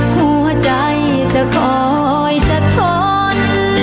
หัวใจจะคอยจะทน